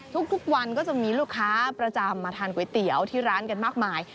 ทุกวันก็จะมีลูกค้าประจำมาทานก๋วยเตี๋ยวที่ร้านกันมากมาย